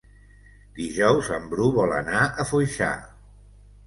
Dijous en Bru vol anar a Foixà.